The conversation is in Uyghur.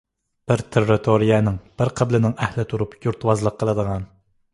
بىر تېررىتورىيەنىڭ، بىر قىبلىنىڭ ئەھلى تۇرۇپ يۇرتۋازلىق قىلىدىغان.